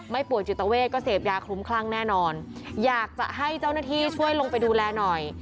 ป่วยจิตเวทก็เสพยาคลุ้มคลั่งแน่นอนอยากจะให้เจ้าหน้าที่ช่วยลงไปดูแลหน่อย